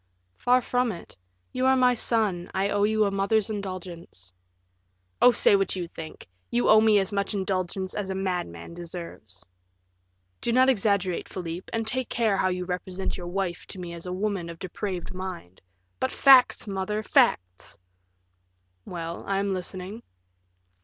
"Far from it; you are my son, I owe you a mother's indulgence." "Oh, say what you think; you owe me as much indulgence as a madman deserves." "Do not exaggerate, Philip, and take care how you represent your wife to me as a woman of depraved mind " "But facts, mother, facts!" "Well, I am listening."